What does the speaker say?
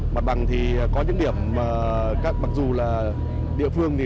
mặt bằng thì có những điểm mà mặc dù là địa phương